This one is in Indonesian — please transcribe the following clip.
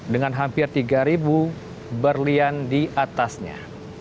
dengan hampir tiga berlian di atasnya